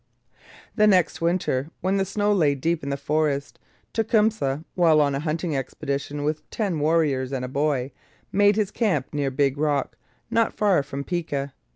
The next winter, when the snow lay deep in the forest, Tecumseh, while on a hunting expedition with ten warriors and a boy, made his camp near Big Rock, not far from Piqua.